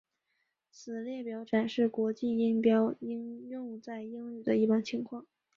此列表展示国际音标应用在英语的一般情况。